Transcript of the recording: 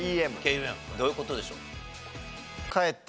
どういう事でしょう？